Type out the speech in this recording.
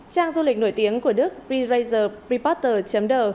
trang du lịch nổi tiếng của đức pre raiser reporter đ